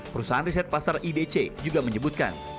perusahaan riset pasar idc juga menyebutkan